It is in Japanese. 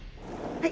はい。